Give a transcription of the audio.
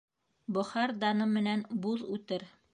Бохар даны менән буҙ үтер